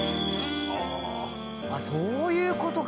「あっそういう事か！」